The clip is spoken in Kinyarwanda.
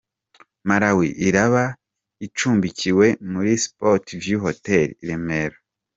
Malawi iraba icumbikiwe muri Sports View Hotel i Remera.